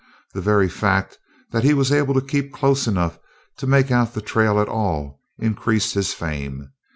The very fact that he was able to keep close enough to make out the trail at all increased his fame.